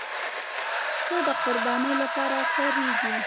پسه د قربانۍ لپاره کارېږي.